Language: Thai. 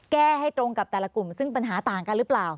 แก้ให้ตรงกับแต่ละกลุ่มซึ่งปัญหาต่างกันหรือเปล่า